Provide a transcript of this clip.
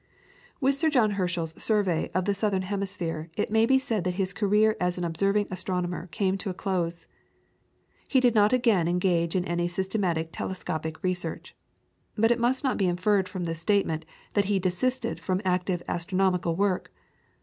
With Sir John Herschel's survey of the Southern Hemisphere it may be said that his career as an observing astronomer came to a close. He did not again engage in any systematic telescopic research. But it must not be inferred from this statement that he desisted from active astronomical work.